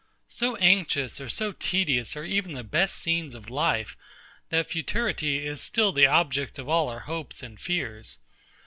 So anxious or so tedious are even the best scenes of life, that futurity is still the object of all our hopes and fears.